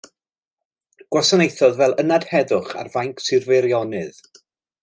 Gwasanaethodd fel Ynad Heddwch ar fainc Sir Feirionnydd.